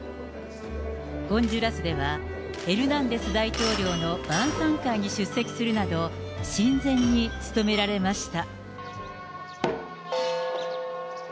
ホンジュラスでは、エルナンデス大統領の晩さん会に出席するなど、親善に努められました。